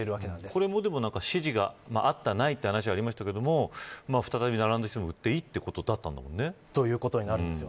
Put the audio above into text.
これも指示があった、ないはありますが再び並んだ人に売っていいということだったんですよね。ということです。